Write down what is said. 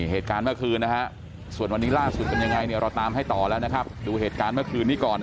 เหตุการณ์เมื่อคืนส่วนวันนี้ล่าสุดเป็นยังไงเราตามให้ต่อแล้วนะครับดูเหตุการณ์เมื่อคืนนี้ก่อน